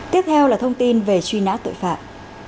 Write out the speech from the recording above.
tiếp theo là thông tin về truy nã tội phạm